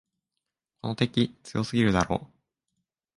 この敵、強すぎるだろ。